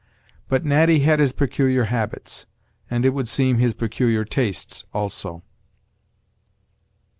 But Natty had his peculiar habits, and, it would seem, his peculiar tastes also.